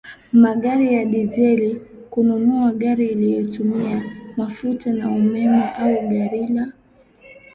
magari ya dizeli Kununua gari linalotumia mafuta na umeme au gari la